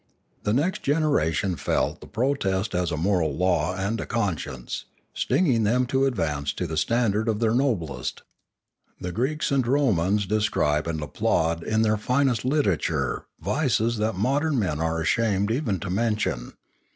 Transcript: The next generation felt the protest as a moral law and a conscience, stinging them to advance to the standard of their noblest. The Greeks and Romans describe and applaud in their finest literature vices that modern men are ashamed even to mention.